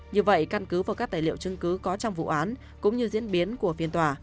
như vậy căn cứ và các tài liệu chứng cứ có trong vụ án cũng như diễn biến của phiên tòa